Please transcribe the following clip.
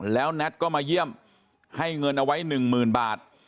แล้วแน็ตก็มาเยี่ยมให้เงินเอาไว้๑๐๐๐บาท